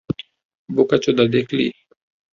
বোকাচোদা, দেখলি?